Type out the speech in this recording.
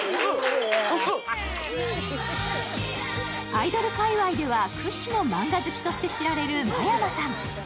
アイドル界隈では屈指のマンガ好きと知られる真山さん。